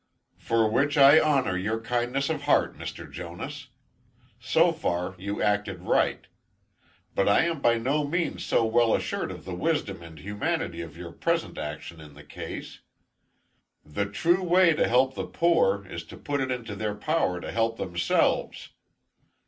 "For which I honor your kindness of heart, Mr. Jonas. So far you acted right. But, I am by no means so well assured of the wisdom and humanity of your present action in the case. The true way to help the poor, is to put it into their power to help themselves.